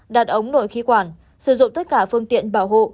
đạt ống nổi khí quản sử dụng tất cả phương tiện bảo hộ